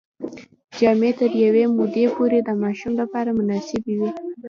جامې تر یوې مودې پورې د ماشوم لپاره مناسبې وي.